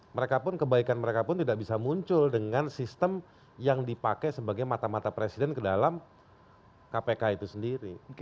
mereka pun kebaikan mereka pun tidak bisa muncul dengan sistem yang dipakai sebagai mata mata presiden ke dalam kpk itu sendiri